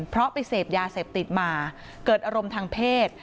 เพราะไปเสพยาเสพติดมาเกิดอารมณ์ทางเพศ